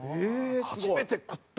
初めて食った！